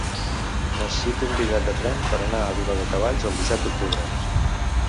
Necessito un bitllet de tren per anar a Viladecavalls el disset d'octubre.